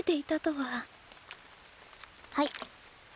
はい。